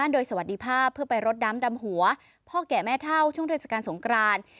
โดยสวัสดีภาพเพื่อไปรดน้ำดำหัวพ่อแก่แม่เท่าช่วงเทศกาลสงคราน